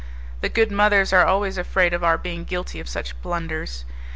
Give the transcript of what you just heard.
The good mothers are always afraid of our being guilty of such blunders.